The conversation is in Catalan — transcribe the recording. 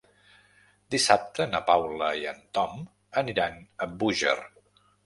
Dissabte na Paula i en Tom aniran a Búger.